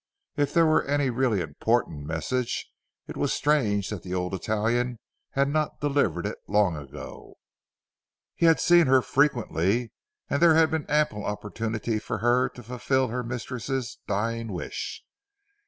If there were any really important message it was strange that the old Italian had not delivered it long ago. He had seen her frequently and there had been ample opportunity for her to fulfil her mistress' dying wish.